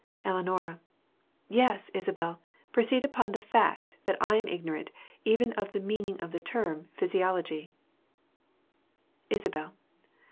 Ellinora. Yes, Isabel, proceed upon the fact that I am ignorant even of the meaning of the term physiology. _Isabel.